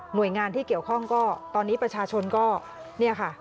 โดยงานที่เกี่ยวข้องก็ตอนนี้ประชาชนก็เนี่ยค่ะ